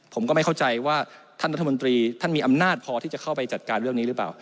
ผมก็ไม่เข้าใจว่าท่านรัฐมนตรีท่านมีอำนาจพอที่จะเข้าไปจัดการเรื่องนี้หรือเปล่า